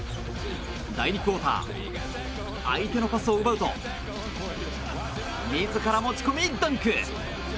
第２クオーター相手のパスを奪うと自ら持ち込み、ダンク！